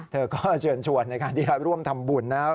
เธอก็เชิญชวนในการที่เราร่วมทำบุญ